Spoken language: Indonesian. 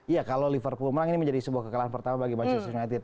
iya kalau liverpool menang ini menjadi sebuah kekalahan pertama bagi manchester united